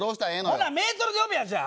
ほなメートルで呼べやじゃあ。